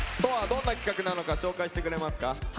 どんな企画なのか紹介してくれますか。